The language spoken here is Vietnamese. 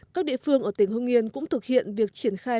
các địa phương ở tỉnh hưng yên cũng thực hiện việc triển khai